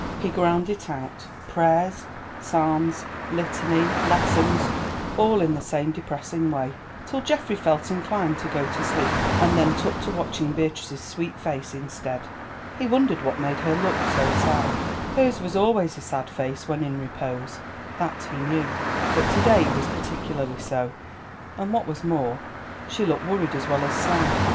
He ground it out, prayers, psalms, litany, lessons, all in the same depressing way, till Geoffrey felt inclined to go to sleep, and then took to watching Beatrice's sweet face instead. He wondered what made her look so sad. Hers was always a sad face when in repose, that he knew, but to day it was particularly so, and what was more, she looked worried as well as sad.